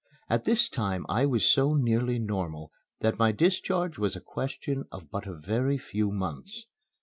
At this time I was so nearly normal that my discharge was a question of but a very few months.